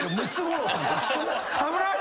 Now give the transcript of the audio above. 危ない！